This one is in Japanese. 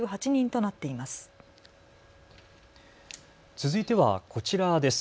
続いてはこちらです。